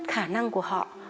khả năng của họ